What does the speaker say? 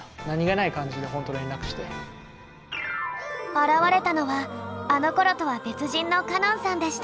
現れたのはあのころとは別人の歌音さんでした。